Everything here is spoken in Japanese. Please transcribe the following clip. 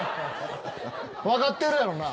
分かってるやろな？